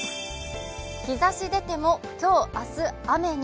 日ざし出ても今日明日雨に。